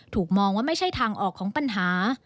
มองว่าไม่ใช่ทางออกของปัญหา